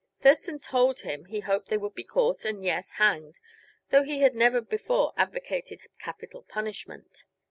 Thurston told him he hoped they would be caught and yes, hanged; though he had never before advocated capital punishment.